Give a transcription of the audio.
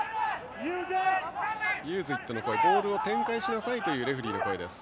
ユーズイットの声とはボールを展開しなさいというレフリーの声です。